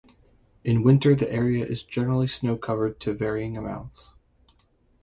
In winter the area is generally snow covered to varying amounts.